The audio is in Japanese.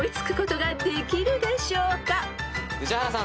宇治原さん